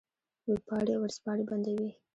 وېبپاڼې او ورځپاڼې بندوي.